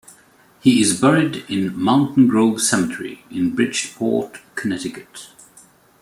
He is buried in Mountain Grove Cemetery, in Bridgeport, Connecticut.